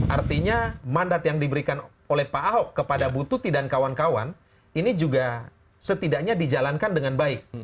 artinya mandat yang diberikan oleh pak ahok kepada bu tuti dan kawan kawan ini juga setidaknya dijalankan dengan baik